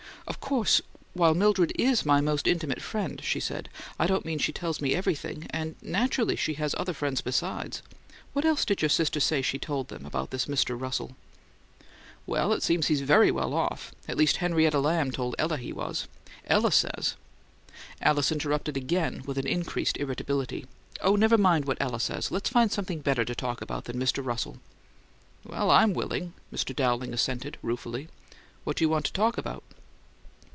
"Of course, while Mildred IS my most intimate friend," she said, "I don't mean she tells me everything and naturally she has other friends besides. What else did your sister say she told them about this Mr. Russell?" "Well, it seems he's VERY well off; at least Henrietta Lamb told Ella he was. Ella says " Alice interrupted again, with an increased irritability. "Oh, never mind what Ella says! Let's find something better to talk about than Mr. Russell!" "Well, I'M willing," Mr. Dowling assented, ruefully. "What you want to talk about?"